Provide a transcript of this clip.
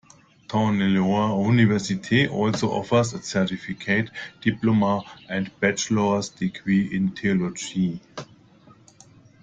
Thorneloe University also offers a certificate, diploma, and Bachelor's Degree in Theology.